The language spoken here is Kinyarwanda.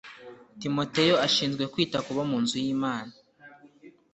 timoteyo ashinzwe kwita ku bo mu nzu y’imana